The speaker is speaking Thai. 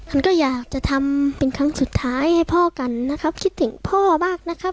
มันก็อยากจะทำเป็นครั้งสุดท้ายให้พ่อกันนะครับคิดถึงพ่อมากนะครับ